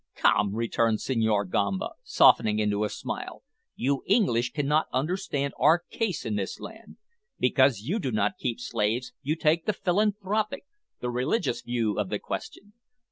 "Come," returned Senhor Gamba, softening into a smile, "you English cannot understand our case in this land. Because you do not keep slaves, you take the philanthropic, the religious view of the question.